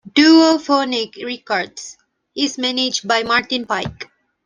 Duophonic Records is managed by Martin Pike.